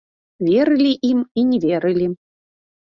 Верылі ім і не верылі.